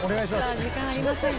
さあ時間ありません。